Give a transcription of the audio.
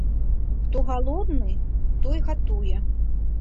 Хто галодны, той гатуе.